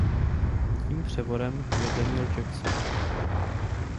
Tím převorem je Daniel Jackson.